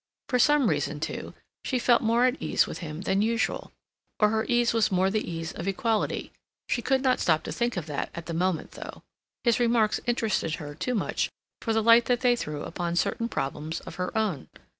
For some reason, too, she felt more at ease with him than usual; or her ease was more the ease of equality—she could not stop to think of that at the moment though. His remarks interested her too much for the light that they threw upon certain problems of her own.